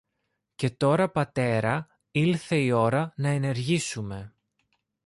Και τώρα, πατέρα, ήλθε η ώρα να ενεργήσουμε.